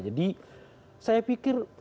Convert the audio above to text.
jadi saya pikir kalau